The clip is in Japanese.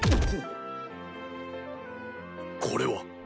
これは？